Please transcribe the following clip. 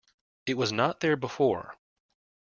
It was not there before.